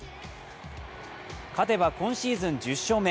勝てば今シーズン１０勝目。